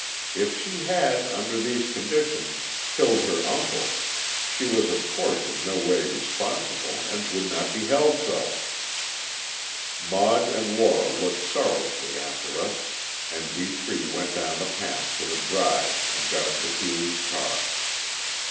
If she had, under these conditions, killed her uncle, she was of course in no way responsible, and would not be held so. Maud and Lora looked sorrowfully after us, and we three went down the path to the drive and got into Keeley's car.